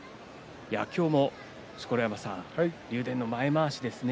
今日も竜電の前まわしですね。